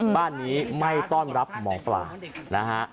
บ้านนี้ไม่ต้อนรับหมอปลานะฮะ